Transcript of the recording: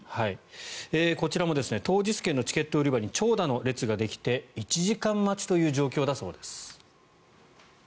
こちらも当日券のチケット売り場に長蛇の列ができて１時間待ちという状況だそうです。